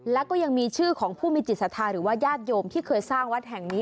แล้วก็ยังมีชื่อของผู้มีจิตศรัทธาหรือว่าญาติโยมที่เคยสร้างวัดแห่งนี้